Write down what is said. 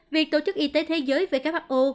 việc tổ chức y tế thế giới who